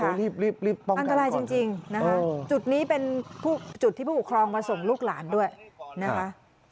เพราะว่าอันตรายจริงค่ะอันตรายจริงนะคะจุดนี้เป็นจุดที่ผู้คลองมาส่งลูกหลานด้วยนะคะ